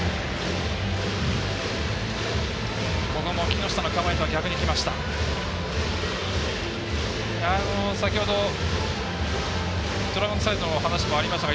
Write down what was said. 木下の構えとは逆にきました。